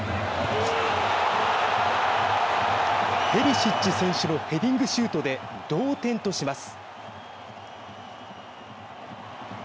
ペリシッチ選手のヘディングシュートで同点とします。